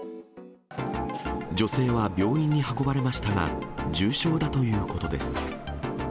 女性は病院に運ばれましたが、重傷だということです。